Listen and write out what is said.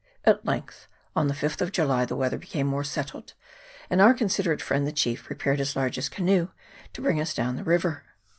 At length, on the 5th of July, the weather became more settled, and our consider ate friend the chief prepared his largest canoe to bring us down the river.